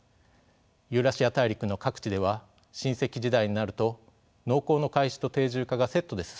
ユーラシア大陸の各地では新石器時代になると農耕の開始と定住化がセットで進みました。